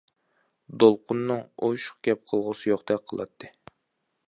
دولقۇننىڭ ئوشۇق گەپ قىلغۇسى يوقتەك قىلاتتى.